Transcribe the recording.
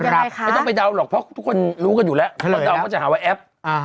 ไม่ต้องไปดาวน์หรอกเพราะทุกคนรู้กันอยู่พอดาวน์ก็จะหาว่าแอพ